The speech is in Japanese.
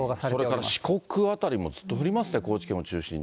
それから四国辺りもずっと降りますね、高知県を中心に。